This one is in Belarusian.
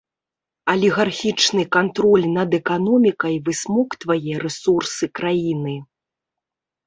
Алігархічны кантроль над эканомікай высмоктвае рэсурсы краіны.